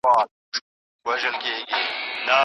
د مفصلونو درد درملنه څنګه کیږي؟